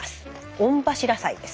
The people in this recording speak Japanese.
「御柱祭」です。